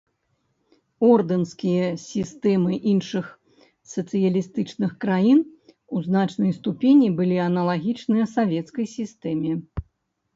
Ордэнскія сістэмы іншых сацыялістычных краін у значнай ступені былі аналагічныя савецкай сістэме.